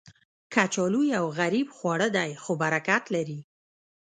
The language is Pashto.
کچالو یو غریب خواړه دی، خو برکت لري